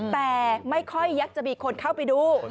แต่ไม่ค่อยยักจะมีคนเข้าไปดู